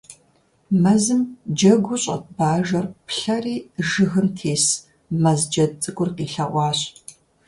Мэзым джэгуу щӀэт Бажэр плъэри жыгым тес, Мэз джэд цӀыкӀур къилъэгъуащ.